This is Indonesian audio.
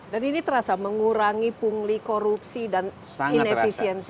dan ini terasa mengurangi mungli korupsi dan inefisiensi